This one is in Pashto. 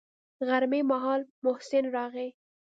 غرمې مهال محسن راغى.